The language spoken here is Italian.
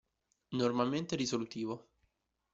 Normalmente risolutivo.